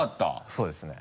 そうですね。